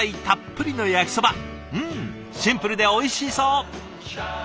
シンプルでおいしそう！